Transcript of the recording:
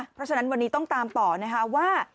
เพราะฉะนั้นวันนี้ต้องตามต่อนะคะว่า